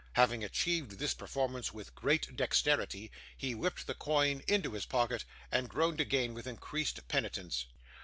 Having achieved this performance with great dexterity, he whipped the coin into his pocket, and groaned again with increased penitence.